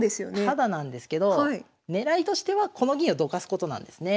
タダなんですけど狙いとしてはこの銀をどかすことなんですね。